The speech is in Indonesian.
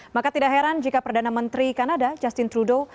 maka tidak heran jika perdana menteri kanada justin trudeau